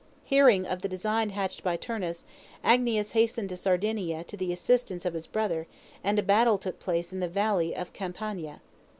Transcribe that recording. Hearing of the design hatched by Turnus, Agnias hastened to Sardinia to the assistance of his brother, and a battle took place in the Valley of Campania.